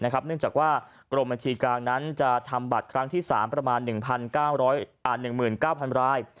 เนื่องจากว่ากรมบัญชีกลางนั้นจะทำบัตรครั้งที่๓ประมาณ๑๑๙๐๐ราย